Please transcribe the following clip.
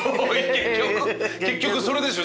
結局それでしょ。